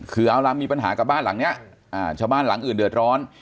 คือเอาล่ะมีปัญหากับบ้านหลังนี้ชาวบ้านหลังอื่นเดือดร้อน